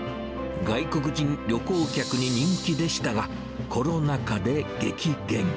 外国人旅行客に人気でしたが、コロナ禍で激減。